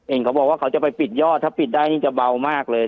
เขาบอกว่าเขาจะไปปิดยอดถ้าปิดได้นี่จะเบามากเลย